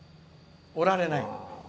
おられない。